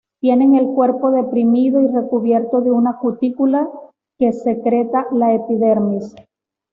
Tienen el cuerpo deprimido y recubierto de una cutícula que secreta la epidermis.